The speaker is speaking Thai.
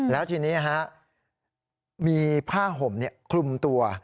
แล้วทีนี้มีผ้าห่มคลุมตัว